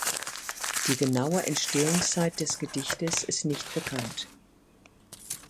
Die genaue Entstehungszeit des Gedichtes ist nicht bekannt.